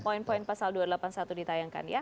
poin poin pasal dua ratus delapan puluh satu ditayangkan ya